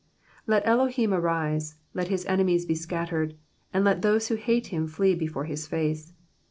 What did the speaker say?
2 LET Elohim arise, let His enemies be scattered, And let those who hate Him flee before His face.